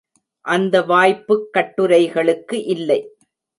அந்த வாய்ப்புக் கட்டுரைகளுக்கு இல்லை.